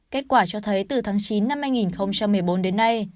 kết quả cho thấy từ tháng chín năm hai nghìn một mươi bốn đến nay